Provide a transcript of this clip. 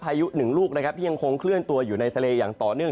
ยุหนึ่งลูกนะครับที่ยังคงเคลื่อนตัวอยู่ในทะเลอย่างต่อเนื่อง